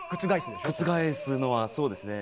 覆すのはそうですね。